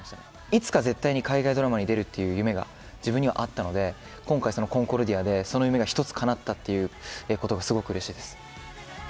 いつか絶対に海外ドラマに出るっていう夢が自分にはあったので、今回、そのコンコルディアで、その夢が一つかなったっていうことがすごくうれしいです。